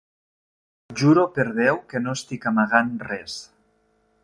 Juro per Déu que no estic amagant res.